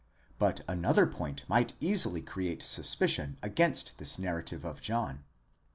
But another point might easily create suspicion against this narrative of John.